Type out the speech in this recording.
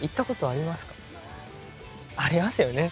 ありますよね。